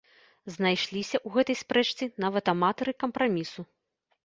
Знайшліся ў гэтай спрэчцы нават аматары кампрамісу.